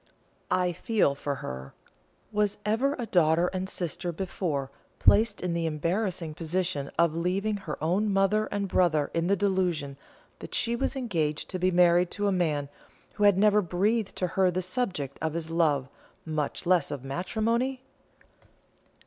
I feel for her. Was ever a daughter and sister before placed in the embarrassing position of leaving her own mother and brother in the delusion that she was engaged to be married to a man who had never breathed to her the subject of his love, much less of matrimony?